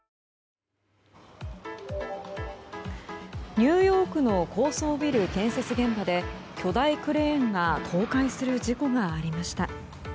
ニューヨークの高層ビル建設現場で巨大クレーンが倒壊する事故がありました。